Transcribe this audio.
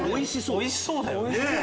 おいしそうだよね。